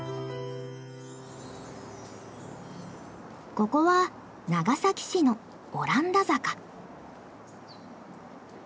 ここは長崎市のオランダ坂。